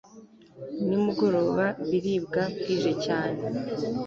nimugoroba biribwa bwije cyane